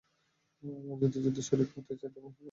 যদি যুদ্ধে শরিক হতে চাই, তবে সেটা আমি করেই ছাড়ব!